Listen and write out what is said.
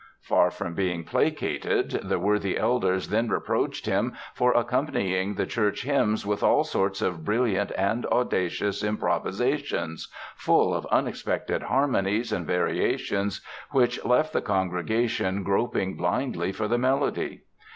Far from being placated the worthy elders then reproached him for accompanying the church hymns with all sorts of brilliant and audacious improvisations, full of unexpected harmonies and variations which left the congregation groping blindly for the melody.